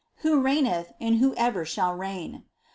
Who reigneth, and Who e'er shall reign